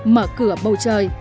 mở cửa bầu trời